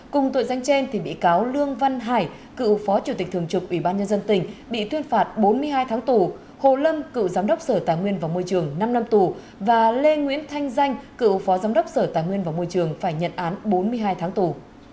cùng tội danh trên bị cáo lương văn hải cựu phó chủ tịch thường trực ủy ban nhân dân tỉnh bị tuyên phạt bốn mươi hai tháng tù hồ lâm cựu giám đốc sở tài nguyên và môi trường năm năm tù và lê nguyễn thanh danh cựu phó giám đốc sở tài nguyên và môi trường phải nhận án bốn mươi hai tháng tù